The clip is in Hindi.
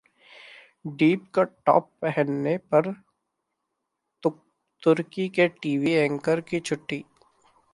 डीप-कट टॉप पहनने पर तुर्की के टीवी एंकर की छुट्टी